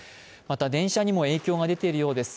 電車にも影響が出ているようです。